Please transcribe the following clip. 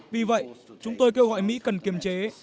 vì vậy chúng tôi kêu gọi mỹ cần kiềm chế